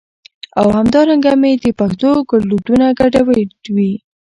او همدا رنګه مي د پښتو ګړدودونه ګډوډي